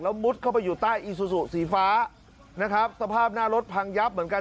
มุดเข้าไปอยู่ใต้อีซูซูสีฟ้านะครับสภาพหน้ารถพังยับเหมือนกัน